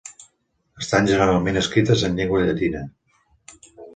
Estan generalment escrites en llengua llatina.